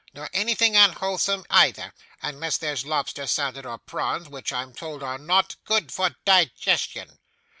Nor anything unwholesome, either, unless there's lobster salad or prawns, which I'm told are not good for digestion.